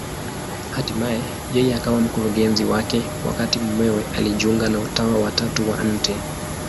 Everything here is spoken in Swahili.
Hatimaye yeye akawa mkurugenzi wake, wakati mumewe alijiunga na Utawa wa Tatu wa Mt.